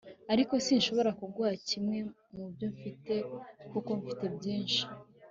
ariko sinshobora kuguha kimwe mubyo mfite kuko si mfite byishi